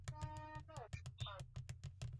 Kuogelea kwa wakati huu bado kunawezekana